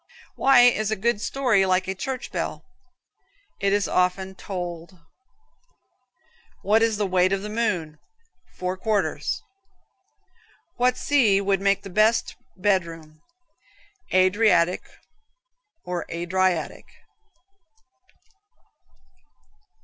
Why is a good story like a church bell? It is often told (tolled). What is the weight of the moon? Four quarters. What sea would make the best bed room? Adriatic (a dry attic).